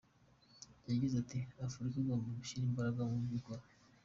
Yagize ati : ”Afurika igomba gushyira imbaraga mubyo ikora”.